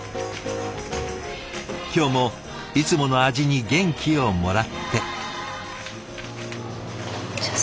今日もいつもの味に元気をもらって。